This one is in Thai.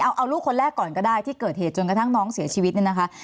เอาลูกคนแรกก่อนก็ได้ที่เกิดเหตุจนกระทั่งน้องเสียชีวิตเนี่ยนะคะ